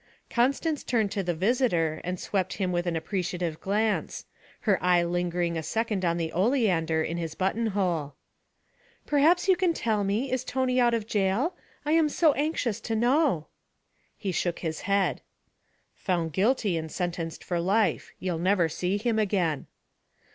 Constance turned to the visitor, and swept him with an appreciative glance, her eye lingering a second on the oleander in his buttonhole. 'Perhaps you can tell me, is Tony out of jail? I am so anxious to know.' He shook his head. 'Found guilty and sentenced for life; you'll never see him again.'